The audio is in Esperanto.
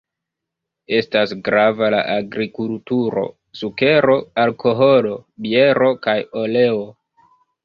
Estas grava la agrikulturo: sukero, alkoholo, biero kaj oleo.